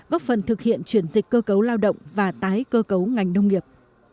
góp phần thực hiện chuyển dịch cơ cấu lao động và tái cơ cấu ngành nông nghiệp